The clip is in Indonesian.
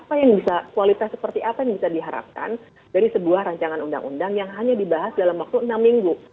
apa yang bisa kualitas seperti apa yang bisa diharapkan dari sebuah rancangan undang undang yang hanya dibahas dalam waktu enam minggu